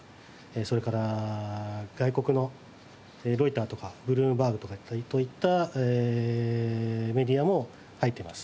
それから外国のロイターとかＢｌｏｏｍｂｅｒｇといったメディアも入っています。